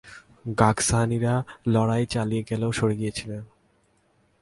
গাসসানীরা লড়াই চালিয়ে গেলেও সরে গিয়েছিল।